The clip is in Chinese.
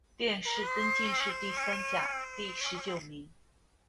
殿试登进士第三甲第十九名。